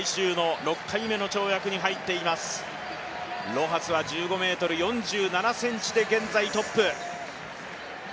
ロハスは１５ｍ４７ｃｍで現在トップ。